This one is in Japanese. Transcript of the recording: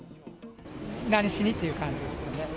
何しに？っていう感じですよね。